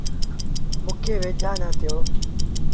موݩ کي ويجھآ نا ٿيٚو۔